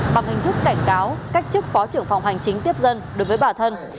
bằng hình thức cảnh cáo cách chức phó trưởng phòng hành chính tiếp dân đối với bản thân